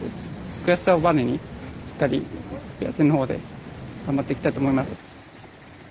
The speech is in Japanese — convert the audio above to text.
悔しさをばねにしっかりペア戦の方で頑張っていきたいと思います。